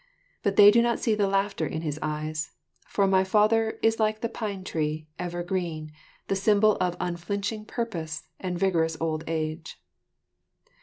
But they do not see the laughter in his eyes; for my father "is like the pine tree, ever green, the symbol of unflinching purpose and vigorous old age."